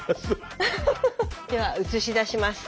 では映し出します。